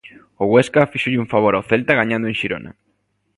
O Huesca fíxolle un favor ao Celta gañando en Xirona.